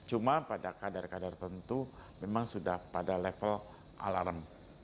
cuma pada kadar kadar tentu memang sudah pada level alarm